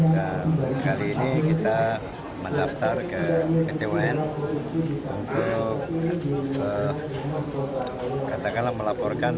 dan kali ini kita mendaftar ke pt un untuk katakanlah melaporan